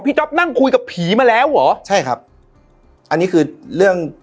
จ๊อปนั่งคุยกับผีมาแล้วเหรอใช่ครับอันนี้คือเรื่อง